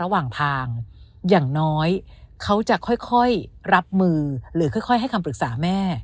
ระหว่างทางอย่างน้อยเขาจะค่อยรับมือหรือค่อยให้คำปรึกษาแม่